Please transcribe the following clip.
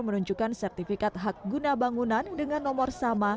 menunjukkan sertifikat hak guna bangunan dengan nomor sama